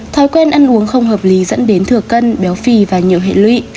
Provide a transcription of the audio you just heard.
thói quen ăn uống không hợp lý dẫn đến thừa cân béo phì và nhiều hệ lụy